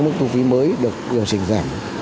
mức thu phí mới được điều chỉnh giảm